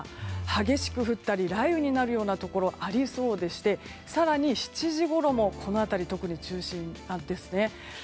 激しく降ったり雷雨になるようなところがありそうでして更に７時ごろもこの辺り特に中心なんです。